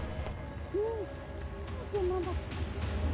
うんなんだけど。